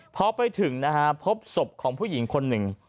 พอไปถึงนะฮะพบศพของผู้หญิงคนหนึ่ง